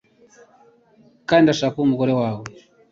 kandi ndashaka kuba umugore wawe.